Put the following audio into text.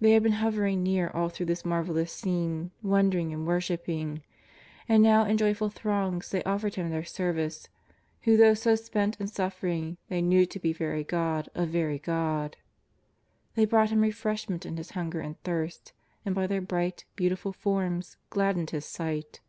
They had been hovering near all through this marvel lous scene, wondering and worshipping. And now in joyful throngs they offered Him their service, who, though so spent and suffering, they knew to be very God of very God. They brought Him refreshment in His hunger and thirst, and by their bright, beautiful forms gladdened His sight.